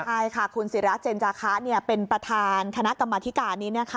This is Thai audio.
ใช่ค่ะคุณศิราเจนจาคะเป็นประธานคณะกรรมธิการนี้